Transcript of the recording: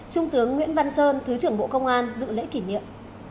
trung tướng nguyễn văn sơn thứ trưởng bộ công an dự lễ kỷ niệm